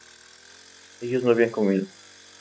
Ellos no habían comido